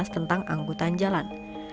tentang angkutan jalan